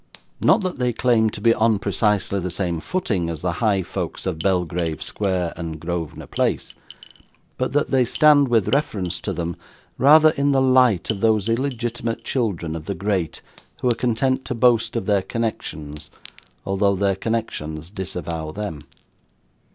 Not that they claim to be on precisely the same footing as the high folks of Belgrave Square and Grosvenor Place, but that they stand, with reference to them, rather in the light of those illegitimate children of the great who are content to boast of their connections, although their connections disavow them.